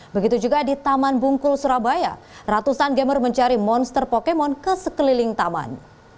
begitu juga di taman bungkul surabaya ratusan gamer mencari monster pokemon ke sekeliling taman